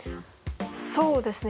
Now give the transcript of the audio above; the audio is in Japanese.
そうですね